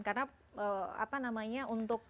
karena apa namanya untuk